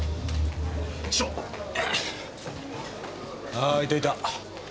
あいたいた。